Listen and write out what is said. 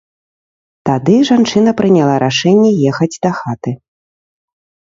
Тады жанчына прыняла рашэнне ехаць дахаты.